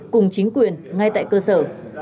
cùng chính quyền ngay tại cơ sở